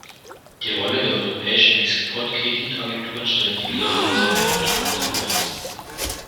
Die Rolle der europäischen Exportkreditagenturen stellt die Leere dieser Behauptung unter Beweis.